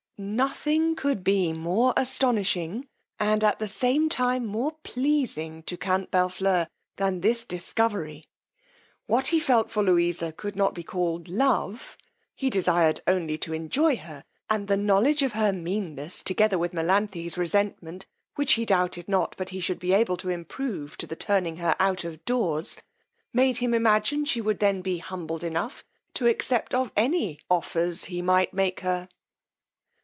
Nothing could be more astonishing, and at the same time more pleasing to count Bellfleur than this discovery: what he felt for Louisa could not be called love, he desired only to enjoy her; and the knowledge of her meanness, together with Melanthe's resentment, which he doubted not but he should be able to improve to the turning her out of doors, made him imagine she would then be humbled enough to accept of any, offers he might make her.